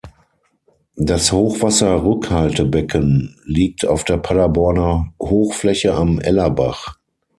Das Hochwasserrückhaltebecken liegt auf der Paderborner Hochfläche am Ellerbach.